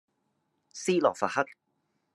斯洛伐克